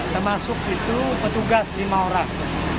termasuk itu petugas lima orang